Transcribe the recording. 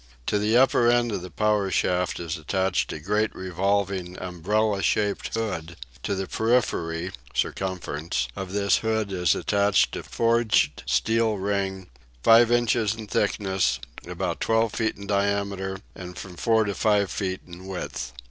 To the upper end of the power shaft is attached a great revolving umbrella shaped hood; to the periphery (circumference) of this hood is attached a forged steel ring, 5 inches in thickness, about 12 feet in diameter and from 4 to 5 feet in width.